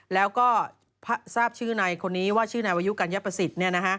แล้วก็ทราบชื่อในคนนี้ว่าชื่อนายวายุกัญญประสิทธิ์